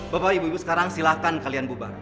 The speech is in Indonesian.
bapak ibu ibu sekarang silahkan kalian bubar